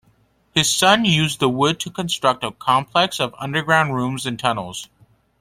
His son used the wood to construct a complex of underground rooms and tunnels.